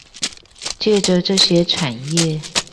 藉著這些產業